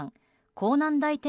港南台店